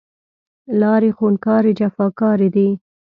لارې خونکارې، جفاکارې دی